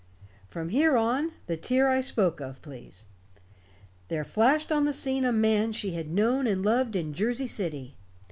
"From here on the tear I spoke of, please. There flashed on the scene a man she had known and loved in Jersey City.